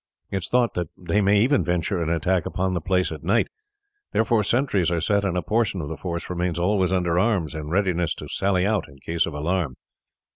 It is thought that they may even venture an attack upon the place at night, therefore sentries are set, and a portion of the force remains always under arms in readiness to sally out in case of alarm."